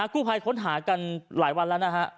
กู้ภัยค้นหากันหลายวันแล้วนะฮะ